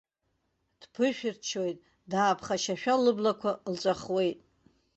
Дԥышәырччоит, дааԥхашьашәа лыблақәа лҵәахуеит.